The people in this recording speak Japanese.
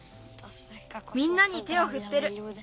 みんなに手をふってる。